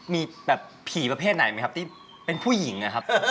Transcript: มีผีประเภทไหนที่เป็นผู้หญิง